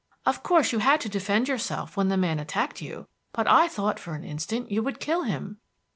Of course you had to defend yourself when the man attacked you, but I thought for an instant you would kill him."